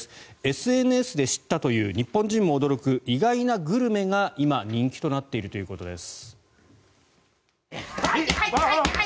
ＳＮＳで知ったという日本人も驚く意外なグルメが今、人気となっているということです。